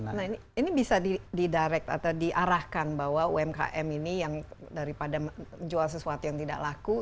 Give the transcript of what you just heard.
nah ini bisa di direct atau diarahkan bahwa umkm ini yang daripada menjual sesuatu yang tidak laku